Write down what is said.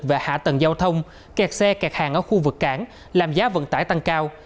và hạ tầng giao thông kẹt xe kẹt hàng ở khu vực cảng làm giá vận tải tăng cao